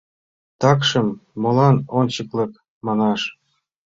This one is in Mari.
Такшым молан ончыклык манаш?